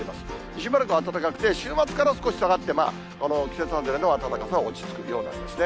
しばらく暖かくて、少し下がって、季節外れの暖かさは落ち着くようなんですね。